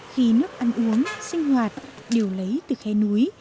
khi nước ăn uống sinh hoạt đều lấy từ khe núi